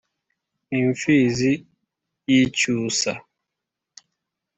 n’ imfizi y’ icyusa,